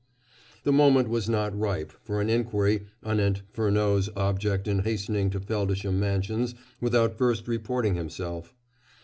The moment was not ripe for an inquiry anent Furneaux's object in hastening to Feldisham Mansions without first reporting himself.